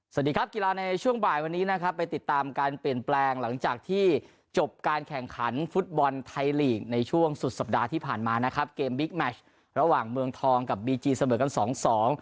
สวัสดีครับกีฬาในช่วงบ่ายวันนี้นะครับไปติดตามการเปลี่ยนแปลงหลังจากที่จบการแข่งขันฟุตบอลไทยลีกในช่วงสุดสัปดาห์ที่ผ่านมานะครับเกมบิ๊กแมชระหว่างเมืองทองกับบีจีเสมอกันสองสอง